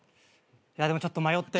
いやでもちょっと迷って。